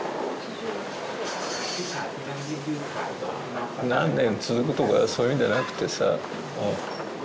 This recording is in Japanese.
まぁ何年続くとかそういうんじゃなくてさうん